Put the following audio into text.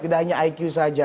tidak hanya iq saja